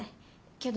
けど？